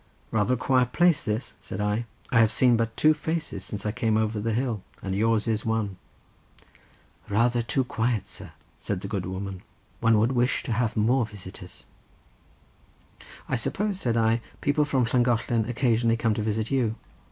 "Rather a quiet place this," said I. "I have seen but two faces since I came over the hill, and yours is one." "Rather too quiet, sir," said the good woman; "one would wish to have more visitors." "I suppose," said I, "people from Llangollen occasionally come to visit you."